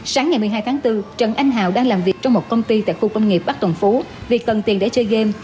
sáng ngày một mươi hai tháng bốn trần anh hào đang làm việc trong một công ty tại khu công nghiệp bắc tuần phú vì cần tiền để chơi game